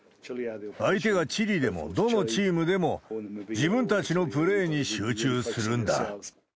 相手がチリでも、どのチームでも、自分たちのプレーに集中するんだ。